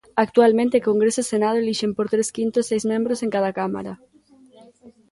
Actualmente Congreso e Senado elixen por tres quintos seis membros en cada Cámara.